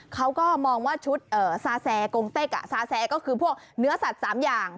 เขาก็มองว่าชุดซาแซกงเต็กซาแซก็คือพวกเนื้อสัตว์๓อย่าง